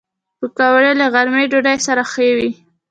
پکورې له غرمې ډوډۍ سره ښه وي